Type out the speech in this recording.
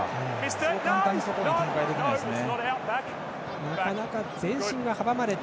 そう簡単に外には展開できませんね。